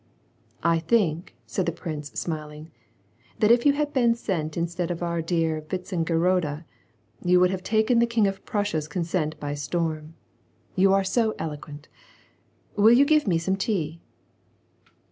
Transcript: "I think," said the prince, smiling, "that if you had been sent instead of our dear Vintzengerode, you would have taken the King of Prussia's consent by storm. You are so eloquent ! Will you give me some tea